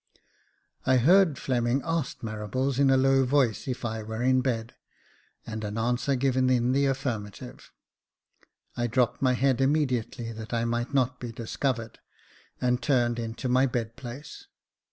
I heard Fleming ask Marables, in a low voice, if I were in bed, and an answer given in the affirmative. I dropped my head immediately that I might not be discovered, and turned into my bed place.